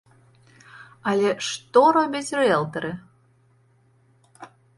Але што робяць рыэлтары?